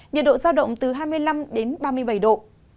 nhiệt độ giao động từ hai mươi năm đến ba mươi bảy độ